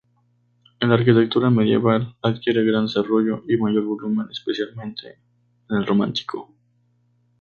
En la arquitectura medieval adquiere gran desarrollo y mayor volumen, especialmente en el Románico.